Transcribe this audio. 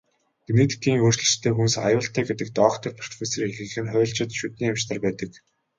Генетикийн өөрчлөлттэй хүнс аюултай гэдэг доктор, профессорын ихэнх нь хуульчид, шүдний эмч нар байдаг.